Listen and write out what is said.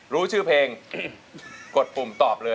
รู้ชื่อเพลงกดปุ่มตอบเลย